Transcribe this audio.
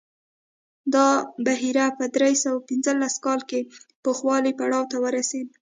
دا بهیر په درې سوه پنځلس کال کې پوخوالي پړاو ته ورسېد